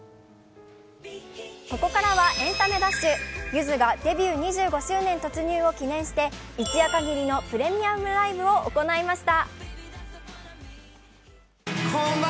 ここからは「エンタメダッシュ」ゆずがデビュー２５周年突入を記念して一夜限りのプレミアムライブを行いました。